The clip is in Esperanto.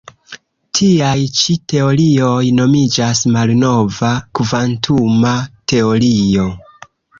Tiaj ĉi teorioj nomiĝas malnova kvantuma teorio.